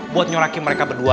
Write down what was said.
buat nyoraki mereka berdua